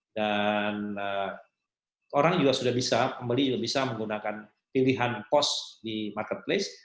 dan orang juga sudah bisa pembeli juga bisa menggunakan pilihan pos di marketplace